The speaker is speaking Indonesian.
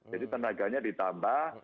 jadi tenaganya ditambah